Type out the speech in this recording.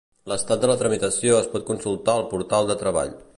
L'estat de la tramitació es pot consultar al portal de Treball.